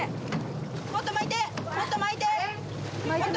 もっと巻いてもっと巻いて。